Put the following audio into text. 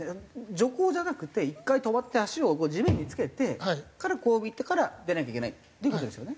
徐行じゃなくて１回止まって足を地面に着けてからこう見てから出なきゃいけないっていう事ですよね？